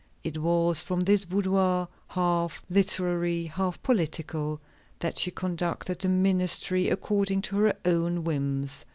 It was from this boudoir, half literary, half political, that she conducted the ministry according to her own whims.